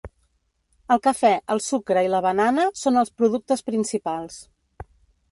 El cafè, el sucre i la banana són els productes principals.